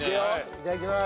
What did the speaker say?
いただきます！